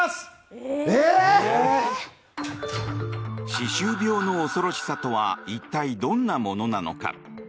歯周病の恐ろしさとは一体どんなものなのか。